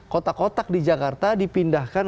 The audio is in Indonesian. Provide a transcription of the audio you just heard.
kotak kotak di jakarta dipindahkan